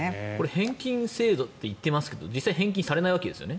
返金制度と言ってますけど実際返金されないわけですよね？